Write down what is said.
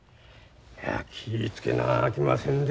気ぃ付けなあきませんで。